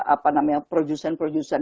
apa namanya produsen produsen